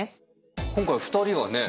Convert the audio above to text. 今回２人がね